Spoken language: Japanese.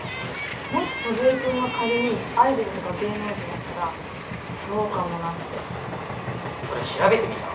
もし祖父江君が仮にアイドルとか芸能人だったらそうかもなってそれ調べてみた？